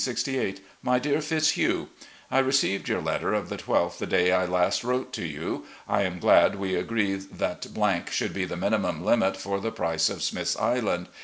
"My Dear Fitzhugh: I received your letter of the 12th the day I last wrote to you. I am glad we agree that $ should be the minimum limit for the price of Smith's Island.